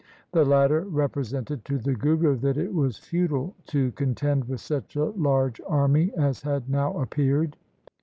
The latter represented to the Guru that it was futile to con tend with such a large army as had now appeared.